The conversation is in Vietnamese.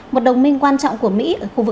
một đồng minh quan trọng của mỹ